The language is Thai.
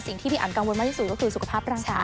สิ่งที่พี่อันกังวลมากที่สุดก็คือสุขภาพร่างกาย